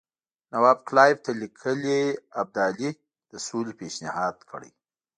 نواب کلایف ته لیکلي ابدالي د سولې پېشنهاد کړی.